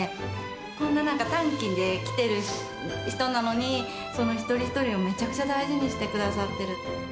こんななんか短期で来てる人なのに、その一人一人をめちゃくちゃ大事にしてくださっている。